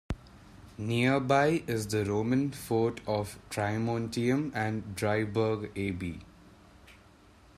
Nearby is the Roman fort of "Trimontium", and Dryburgh Abbey.